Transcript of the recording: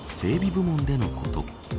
部門でのこと。